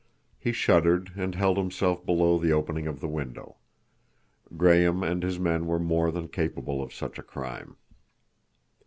He shuddered and held himself below the opening of the window. Graham and his men were more than capable of such a crime.